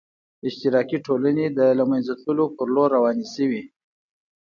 اشتراکي ټولنې د له منځه تلو په لور روانې شوې.